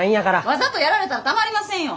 わざとやられたらたまりませんよ。